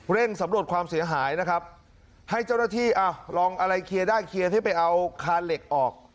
สำรวจความเสียหายนะครับให้เจ้าหน้าที่อ่ะลองอะไรเคลียร์ได้เคลียร์ให้ไปเอาคานเหล็กออก